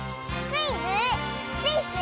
「クイズ！